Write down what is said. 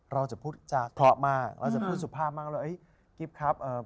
เราจะพูดจากขอบมาเราจะพูดสุภาพมากว่าเฮ้ยกิ๊บครับ